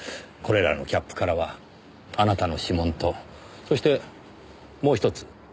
これらのキャップからはあなたの指紋とそしてもうひとつ。